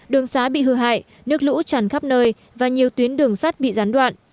đường xá bị hư hại nước lũ tràn khắp nơi và nhiều tuyến đường sắt bị gián đoạn